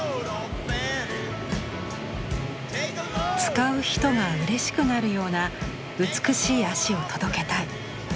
「使う人がうれしくなるような美しい足を届けたい」。